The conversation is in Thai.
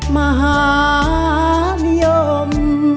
มหานิยม